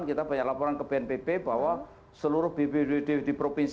kita banyak laporan ke bnpb bahwa seluruh bbbd di provinsi